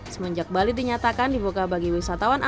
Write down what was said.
semenjak bali dinyatakan dibuka bulan